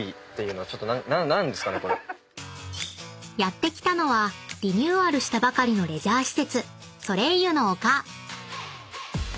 ［やって来たのはリニューアルしたばかりのレジャー施設ソレイユの丘］